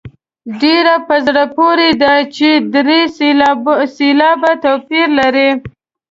ډېره په زړه پورې ده چې درې سېلابه توپیر لري.